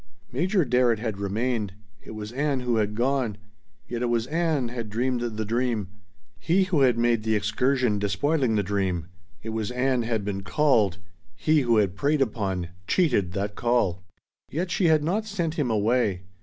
Major Barrett had remained. It was Ann who had gone. Yet it was Ann had dreamed the dream. He who had made the "excursion" despoiling the dream. It was Ann had been "called." He who had preyed upon cheated that call. Yet she had not sent him away.